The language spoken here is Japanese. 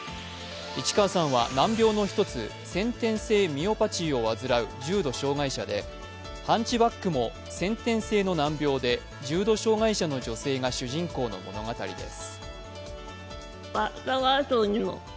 市川さんは難病の一つ先天性ミオパチーを患う重度障害者で「ハンチバック」も先天性の難病で重度障害者の女性が主人公の物語です。